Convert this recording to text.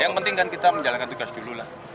yang penting kan kita menjalankan tugas dulu lah